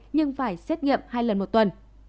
nhưng phải xét nghiệm hai lần một tuần